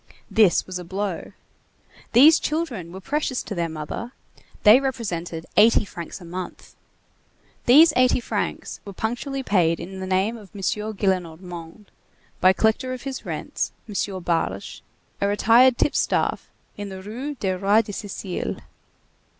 This was a blow. These children were precious to their mother; they represented eighty francs a month. These eighty francs were punctually paid in the name of M. Gillenormand, by collector of his rents, M. Barge, a retired tip staff, in the Rue du Roi de Sicile.